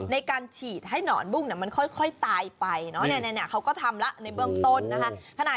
ในการฉีดให้หนอนบุ้งเนี่ยมันค่อยตายไปเนี่ยเนี่ยเนี่ยเค้าก็ทำแล้วในเบื้องต้นนะคะ